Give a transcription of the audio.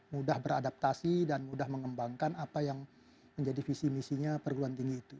mudah beradaptasi dan mudah mengembangkan apa yang menjadi visi misinya perguruan tinggi itu